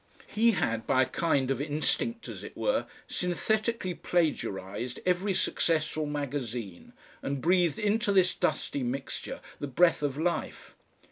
He had by a kind of instinct, as it were, synthetically plagiarised every successful magazine and breathed into this dusty mixture the breath of life.